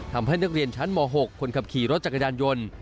ทำให้นักเรียนชั้นม๖คนขับขี่รถจักรยานยนต์